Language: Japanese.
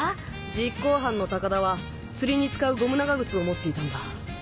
実行犯の高田は釣りに使うゴム長靴を持っていたんだ。